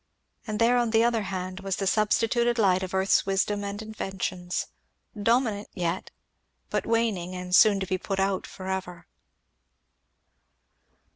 And there on the other hand was the substituted light of earth's wisdom and inventions, dominant yet, but waning and soon to be put out for ever."